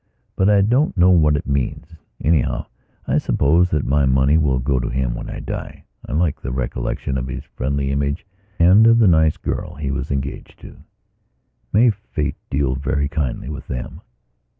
But I don't know what it means. Anyhow, I suppose that my money will go to him when I dieI like the recollection of his friendly image and of the nice girl he was engaged to. May Fate deal very kindly with them.